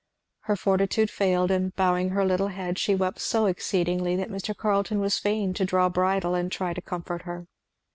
Her fortitude failed, and bowing her little head she wept so exceedingly that Mr. Carleton was fain to draw bridle and try to comfort her.